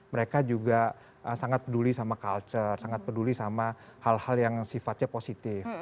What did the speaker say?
mereka juga sangat peduli sama culture sangat peduli sama hal hal yang sifatnya positif